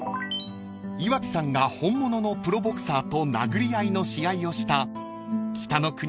［岩城さんが本物のプロボクサーと殴り合いの試合をした『北の国から』